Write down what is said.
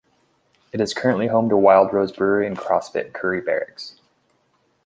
It is currently home to Wild Rose Brewery and CrossFit Currie Barracks.